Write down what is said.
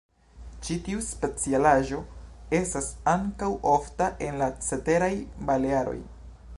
Ĉi tiu specialaĵo estas ankaŭ ofta en la ceteraj Balearoj.